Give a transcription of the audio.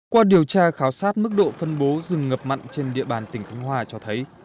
qua điều tra khảo sát mức độ phân bố rừng ngập mặn trên địa bàn tỉnh khánh hòa cho thấy